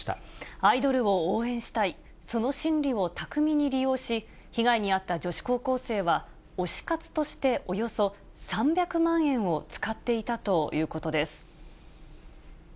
アイドルを応援したい、その心理を巧みに利用し、被害に遭った女子高校生は、推し活としておよそ３００万円を使っていたということです。